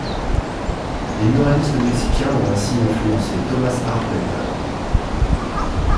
Les muralistes mexicains ont ainsi influencé Thomas Hart Benton.